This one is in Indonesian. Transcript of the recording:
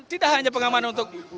tidak hanya pengamanan untuk